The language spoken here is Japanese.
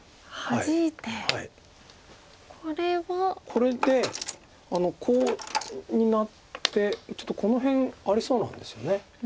これでコウになってちょっとこの辺ありそうなんですよね